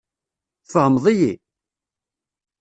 Tfehmeḍ-iyi?